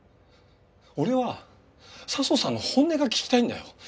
俺は佐相さんの本音が聞きたいんだよ